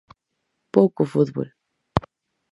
Pouco fútbol.